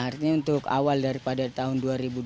artinya untuk awal daripada tahun dua ribu dua puluh